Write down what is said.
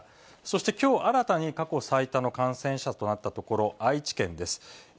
そしてきょう、新たに過去最多の感染者となった所、愛知県です。